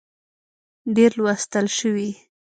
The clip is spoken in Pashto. ډېر لوستل شوي